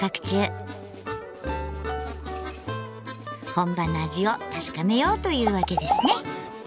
本場の味を確かめようというわけですね。